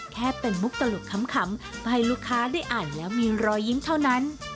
แค่เป็นมุกตลกขำให้ลูกค้าได้อ่านแล้วมีรอยยิ้มเท่านั้น